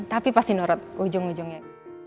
tapi pasti nurut ujung ujungnya